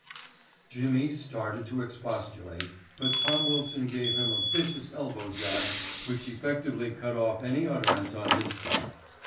Jimmy started to expostulate, but Tom Wilson gave him a vicious elbow jab which effectively cut off any utterance on his part.